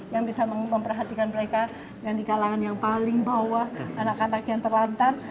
yang bisa memperhatikan mereka yang di kalangan yang paling bawah anak anak yang terlantar